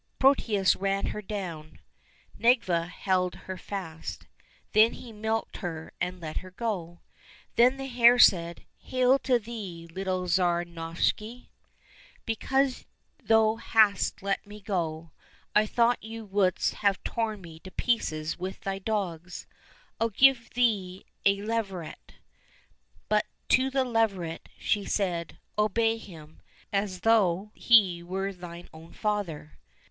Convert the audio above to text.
Protius ran her down, Nedviga held her fast, then he milked her and let her go. Then the hare said, " Hail to thee, little Tsar Novishny ; because thou hast let me go — I thought thou wouldst have torn me to pieces with thy dogs — I'll give thee a leveret." But to the leveret she said, " Obey him, as though he were thine own father."